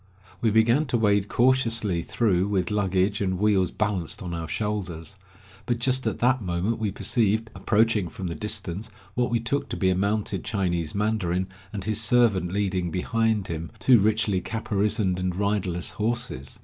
We began to wade cautiously through with luggage and wheels balanced on our shoulders. But just at that moment we perceived, approaching from the distance, what we took to be a mounted Chinese mandarin, and his servant leading behind him two richly caparisoned and riderless horses.